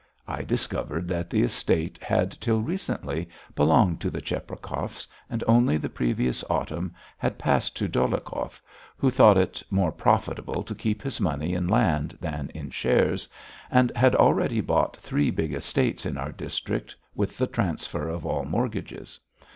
I discovered that the estate had till recently belonged to the Cheprakovs and only the previous autumn had passed to Dolyhikov, who thought it more profitable to keep his money in land than in shares, and had already bought three big estates in our district with the transfer of all mortgages.